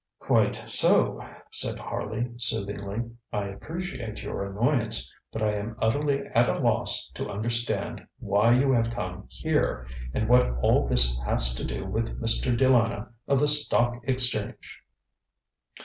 ŌĆØ ŌĆ£Quite so, ŌĆØ said Harley soothingly; ŌĆ£I appreciate your annoyance, but I am utterly at a loss to understand why you have come here, and what all this has to do with Mr. De Lana, of the Stock Exchange.